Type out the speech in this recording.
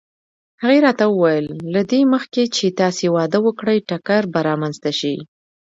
هغې راته وویل: له دې مخکې چې تاسې واده وکړئ ټکر به رامنځته شي.